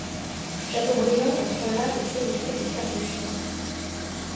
Chateaubriand, entrant là, eût fait l’effet du Père Duchêne.